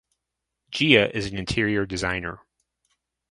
Jia is an interior designer.